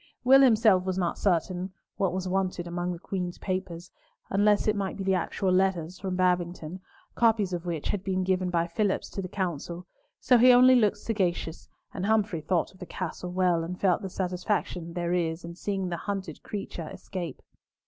Will himself was not certain what was wanted among the Queen's papers, unless it might be the actual letters, from Babington, copies of which had been given by Phillips to the Council, so he only looked sagacious; and Humfrey thought of the Castle Well, and felt the satisfaction there is in seeing a hunted creature escape.